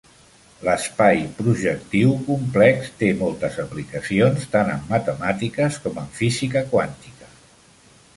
L'espai projectiu complex té moltes aplicacions tant en matemàtiques com en física quàntica.